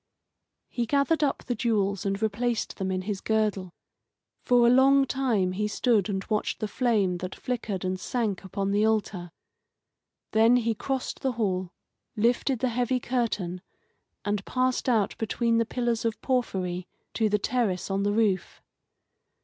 He gathered up the jewels and replaced them in his girdle. For a long time he stood and watched the flame that flickered and sank upon the altar. Then he crossed the hall, lifted the heavy curtain, and passed out between the pillars of porphyry to the terrace on the roof.